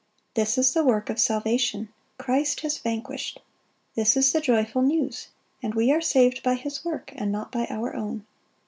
This is the work of salvation.... Christ has vanquished! this is the joyful news; and we are saved by His work, and not by our own....